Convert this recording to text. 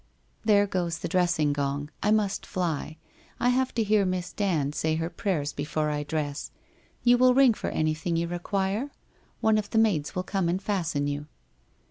There goes the dressing gong. I must fly. I have to hear Miss Dand say her prayers be fore I dress. You will ring for anything you require? One of the maids will come and fasten you.'